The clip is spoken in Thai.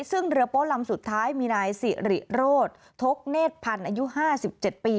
ซึ่งเรือโป๊ลำสุดท้ายมีนายสิริโรธทกเนธพันธ์อายุ๕๗ปี